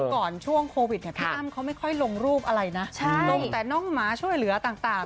ก่อนช่วงโควิดเนี่ยพี่อ้ำเขาไม่ค่อยลงรูปอะไรนะลงแต่น้องหมาช่วยเหลือต่าง